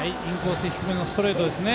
インコース低めのストレートですね。